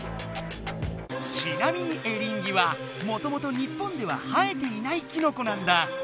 ちなみにエリンギはもともと日本では生えていないキノコなんだ。